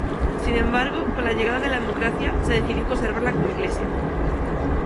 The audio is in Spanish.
Sin embargo, con la llegada de la democracia se decidió conservarla como iglesia.